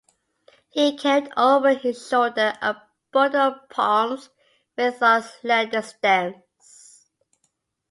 He carried over his shoulder a bundle of palms with long slender stems.